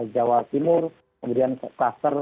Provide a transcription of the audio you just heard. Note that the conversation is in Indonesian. jawa timur kemudian klaster